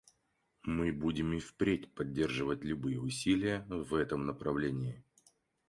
Мы будем и впредь поддерживать любые усилия в этом направлении.